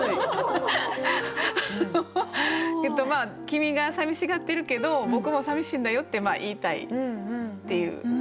君がさみしがってるけど僕もさみしいんだよって言いたいっていう。